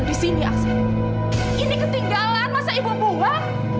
ini ketinggalan masa ibu buang